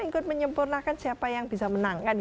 ikut menyempurnakan siapa yang bisa menang